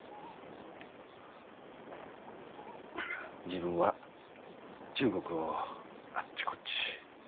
自分は中国をあっちこっち。